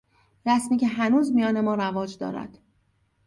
رسمی که هنوز میان ما رواج دارد